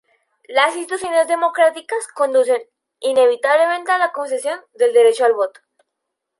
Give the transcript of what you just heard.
Las instituciones democráticas conducen inevitablemente a la concesión del derecho al voto.